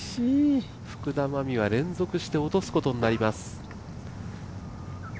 福田真未は連続して落とすことになります。